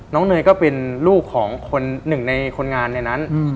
เนยก็เป็นลูกของคนหนึ่งในคนงานในนั้น